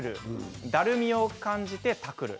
だるみを感じてタクる。